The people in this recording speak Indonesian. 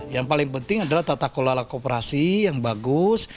yang paling penting adalah tata kelola kooperasi yang bagus